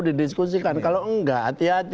didiskusikan kalau enggak hati hati